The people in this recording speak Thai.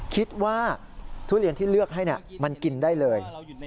ทุเรียนที่เลือกให้มันกินได้เลย